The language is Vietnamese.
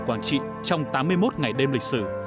quảng trị trong tám mươi một ngày đêm lịch sử